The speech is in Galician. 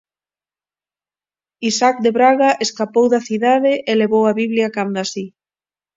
Isaac de Braga escapou da cidade e levou a Biblia canda si.